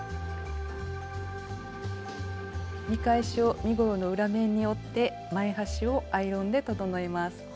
見返しを身ごろの裏面に折って前端をアイロンで整えます。